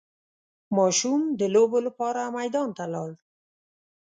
ماشوم د لوبو لپاره میدان ته لاړ.